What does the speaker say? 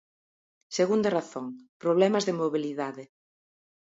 Segunda razón: problemas de mobilidade.